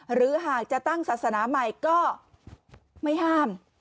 หรือหากจะตั้งศาสนาใหม่ก็ไม่ห้าม